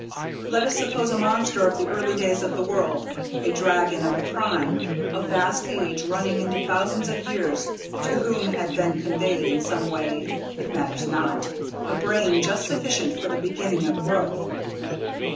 "Let us suppose a monster of the early days of the world a dragon of the prime of vast age running into thousands of years, to whom had been conveyed in some way it matters not a brain just sufficient for the beginning of growth.